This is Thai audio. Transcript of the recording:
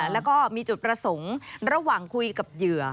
แล้วก็มีจุดประสงค์ระหว่างคุยกับเหยื่อ